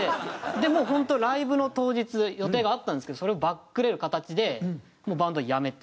でもう本当ライブの当日予定があったんですけどそれをバックレる形でバンドをやめて。